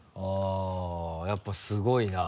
やっぱりすごいな。